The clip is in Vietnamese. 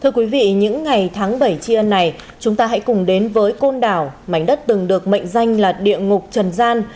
thưa quý vị những ngày tháng bảy tri ân này chúng ta hãy cùng đến với côn đảo mảnh đất từng được mệnh danh là địa ngục trần gian